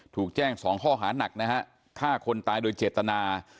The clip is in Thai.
ถูกแจ้ง๒ข้อหานักนะฮะฆ่าคนตายโดยเจตนา